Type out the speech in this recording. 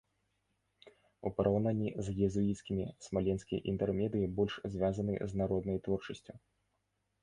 У параўнанні з езуіцкімі смаленскія інтэрмедыі больш звязаны з народнай творчасцю.